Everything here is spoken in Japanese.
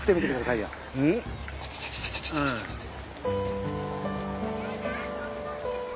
ちょっとちょっとちょっと。